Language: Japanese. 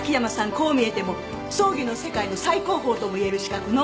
こう見えても葬儀の世界の最高峰ともいえる資格の。